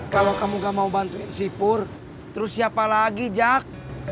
kalau kamu gak mau bantu si pur terus siapa lagi jak